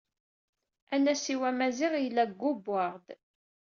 Anasiw amaziɣ yella deg Gboard.